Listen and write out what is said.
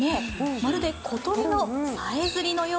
まるで小鳥のさえずりのよう。